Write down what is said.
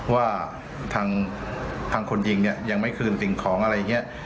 ว่าทางคนยิงเนี่ยยังไม่คืนสิ่งของอะไรอย่างนี้